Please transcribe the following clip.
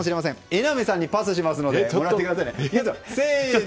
榎並さんにパスしますのでもらってくださいね。